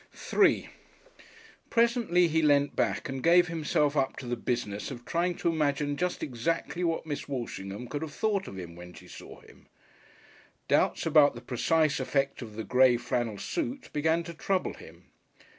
§3 Presently he leant back and gave himself up to the business of trying to imagine just exactly what Miss Walshingham could have thought of him when she saw him. Doubts about the precise effect of the grey flannel suit began to trouble him.